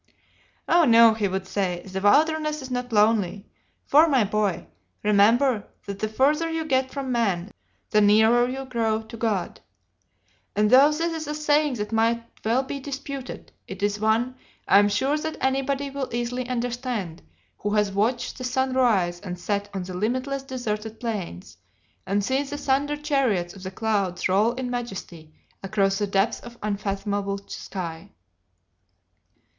"Oh, no," he would say, "the wilderness is not lonely, for, my boy, remember that the further you get from man, the nearer you grow to God," and though this is a saying that might well be disputed, it is one I am sure that anybody will easily understand who has watched the sun rise and set on the limitless deserted plains, and seen the thunder chariots of the clouds roll in majesty across the depths of unfathomable sky.